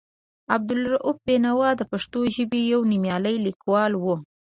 عبدالرؤف بېنوا د پښتو ژبې یو نومیالی لیکوال و.